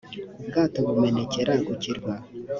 ubwato bumenekera ku kirwa